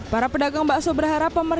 para pedagang bakso berharap